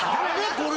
これ。